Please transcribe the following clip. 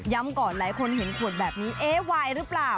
ก่อนหลายคนเห็นขวดแบบนี้เอ๊วายหรือเปล่า